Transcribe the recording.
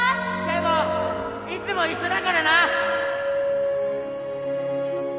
圭吾いつも一緒だからな！